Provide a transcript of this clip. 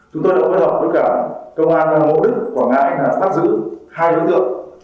chúng tôi đã phối hợp với cả công an mẫu đức của ngài là phát giữ hai đối tượng